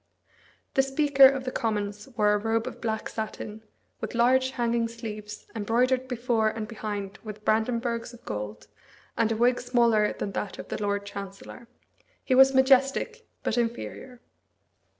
The Speaker of the Commons wore a robe of black satin, with large hanging sleeves, embroidered before and behind with brandenburgs of gold, and a wig smaller than that of the Lord Chancellor. He was majestic, but inferior.